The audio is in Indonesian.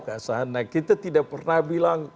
ke sana kita tidak pernah bilang